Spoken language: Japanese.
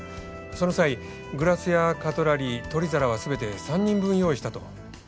その際グラスやカトラリー取り皿は全て３人分用意したと。